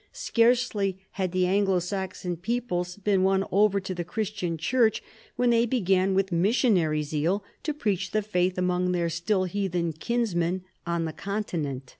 Scarcely had the Anglo Saxon peoples been won over to the Christian Church, when they began with missionary zoal to preach the faith among their still heathen kinsmen on the Continent.